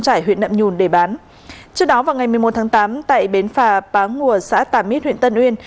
trước đó vào ngày một mươi một tháng tám tại bến phà bán ngùa xã tàm ít huyện tân uyên